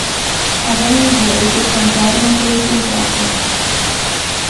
Avem nevoie de contoare inteligente acum.